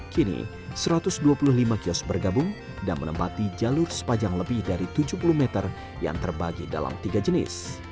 kini satu ratus dua puluh lima kios bergabung dan menempati jalur sepanjang lebih dari tujuh puluh meter yang terbagi dalam tiga jenis